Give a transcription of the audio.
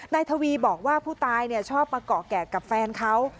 ทวีบอกว่าผู้ตายชอบมาเกาะแกะกับแฟนเขา